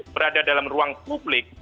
berada dalam ruang publik